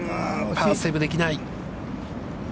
パーセーブできない。